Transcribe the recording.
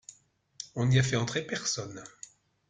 On y a fait entrer personnes.